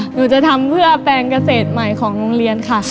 หนูจะทำเพื่อแปลงเกษตรใหม่ของโรงเรียนค่ะ